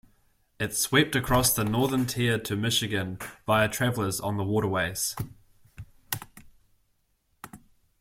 It swept across the northern tier to Michigan via travelers on the waterways.